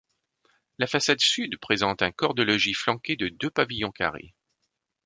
La façade sud présente un corps de logis flanqué de deux pavillons carrés.